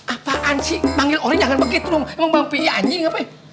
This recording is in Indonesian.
apaan sih manggil orang jangan begitu dong emang bang pi anjing apa ya